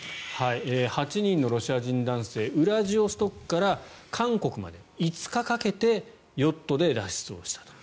８人のロシア人男性ウラジオストクから韓国まで５日かけてヨットで脱出をしたと。